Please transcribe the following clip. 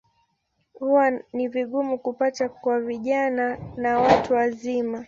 Huwa ni vigumu kupata kwa vijana na watu wazima.